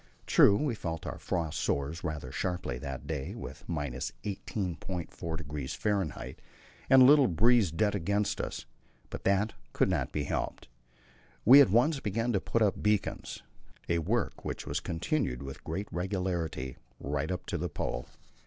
True, we felt our frost sores rather sharply that day, with 18.4° F. and a little breeze dead against us, but that could not be helped. We at once began to put up beacons a work which was continued with great regularity right up to the Pole.